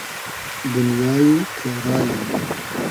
دونیای تۉرای